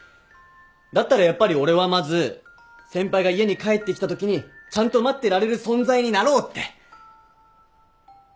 だったらやっぱり俺はまず先輩が家に帰ってきたときにちゃんと待ってられる存在になろうって。